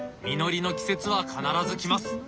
実りの季節は必ず来ます。